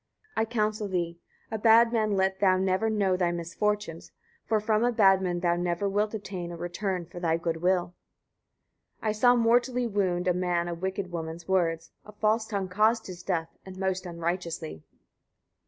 119. I counsel thee, etc. A bad man let thou never know thy misfortunes; for from a bad man thou never wilt obtain a return for thy good will. 120. I saw mortally wound a man a wicked woman's words; a false tongue caused his death, and most unrighteously.